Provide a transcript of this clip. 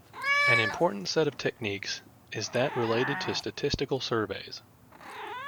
An important set of techniques is that related to statistical surveys.